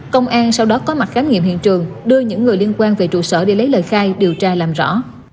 công an sau đó có mặt khám nghiệm hiện trường đưa những người liên quan về trụ sở để lấy lời khai điều tra làm rõ